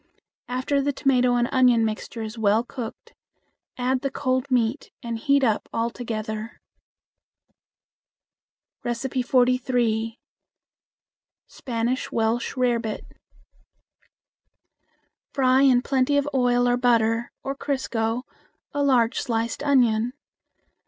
After the tomato and onion mixture is well cooked, add the cold meat and heat up all together. 43. Spanish Welsh Rarebit. Fry in plenty of oil or butter or crisco a large sliced onion.